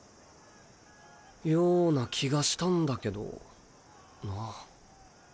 ような気がしたんだけどな。